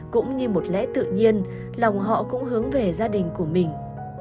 cũng như một lẽ tự nhiên lòng họ cũng hướng về gia đình của mình